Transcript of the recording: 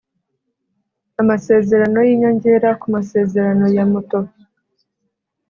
Amasezerano y Inyongera ku Masezerano ya moto